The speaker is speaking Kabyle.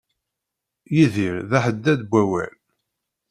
Yidir d aḥeddad n wawal.